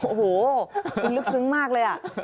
โอ้โหมันลึกซึ้งมากเลย